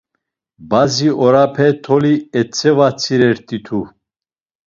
Bazi orape toli etzevatzirert̆itu.